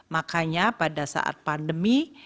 makanya pada saat pandemi